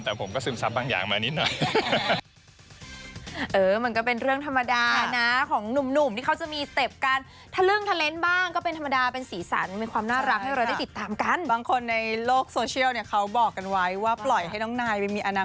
แต่ผมก็ซึมซับบางอย่างมานิดหน่อย